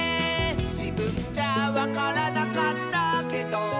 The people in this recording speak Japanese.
「じぶんじゃわからなかったけど」